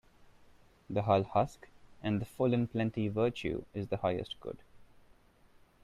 The hull husk and the full in plenty Virtue is the highest good.